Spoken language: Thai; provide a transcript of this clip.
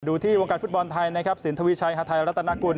ดูที่วงการฟุตบอลไทยสินทวิชัยฮาทายรัตนากุล